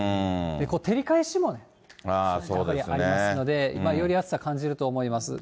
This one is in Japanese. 照り返しもやっぱりありますので、より暑さ、感じると思います。